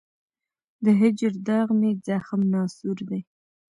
د هجر داغ مي زخم ناصور دی